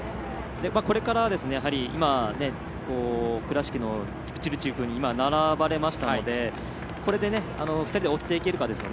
これから倉敷のキプチルチル君に並ばれましたのでこれで、２人で追っていけるか。